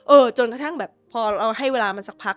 เออจนกระทั่งก็แบบพอให้เวลามันสักพัก